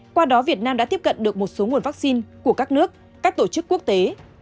qua đó việt nam đã tiếp cận được một số nguồn vaccine của các nước các tổ chức quốc tế